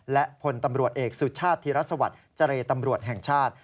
และพลตำรวจเอกสุชาติธิรัศวรรษจต